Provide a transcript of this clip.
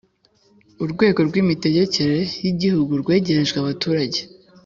Urwego rw’imitegekere y’Igihugu rwegerejwe abaturage